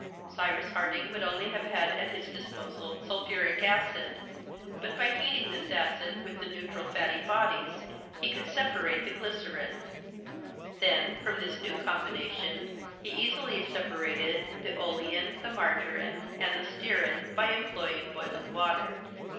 Cyrus Harding would only have had at his disposal sulphuric acid, but by heating this acid with the neutral fatty bodies he could separate the glycerine; then from this new combination, he easily separated the olein, the margarin, and the stearin, by employing boiling water.